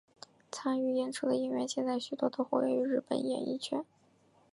参与演出的演员现在许多都活跃于日本演艺圈。